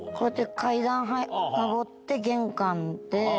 階段上って玄関で。